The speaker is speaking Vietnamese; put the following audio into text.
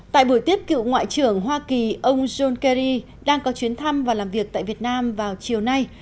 tại buổi tiếp cựu ngoại trưởng hoa kỳ ông john kerry đang có chuyến thăm và làm việc tại việt nam vào chiều nay